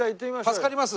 助かります。